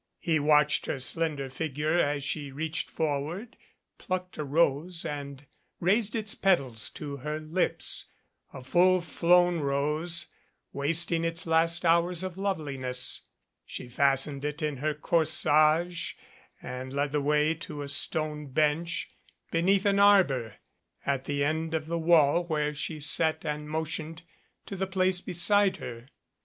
He watched her slender figure as she reached forward, plucked a rose and raised its petals to her lips a full blown rose, wasting its last hours of loveliness. She fastened it in her corsage and led the way to a stone bench beneath an arbor at the end of the wall where she sat and motioned to the place be side her.